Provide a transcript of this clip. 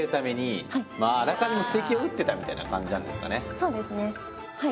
そうですねはい。